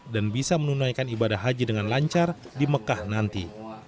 dan bisa menunaikan ibadah haji dengan lancar di mekah nanti